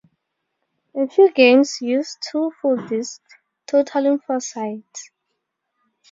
A few games use two full disks, totaling four sides.